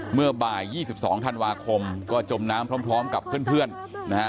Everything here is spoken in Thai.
เมื่อบ่าย๒๒ธันวาคมก็จมน้ำพร้อมกับเพื่อนนะฮะ